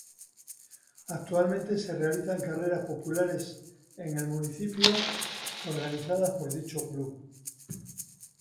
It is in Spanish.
Actualmente se realizan carreras populares en el municipio organizadas por dicho club.